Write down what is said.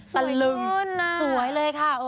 สวยขึ้นสวยเลยค่ะ